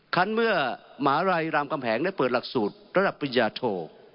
คันเมื่อหมาลัยรามกำแหงได้เปิดหลักสูตรระดับปริญญาโท